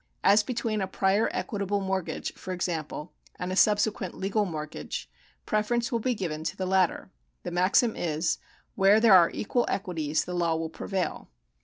As between a prior equitable mortgage, for example, and a subsequent legal mortgage, preference will be given to the latter. The maxim is : Where there are equal equities, the law will prevail.